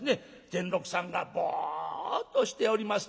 善六さんがぼっとしております